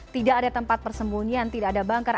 tidak ada tempat persembunyian tidak ada banker